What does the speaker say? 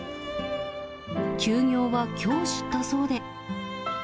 休業はきょう知ったそうで。